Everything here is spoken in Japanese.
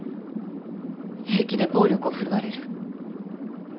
平気で暴力を振るわれる。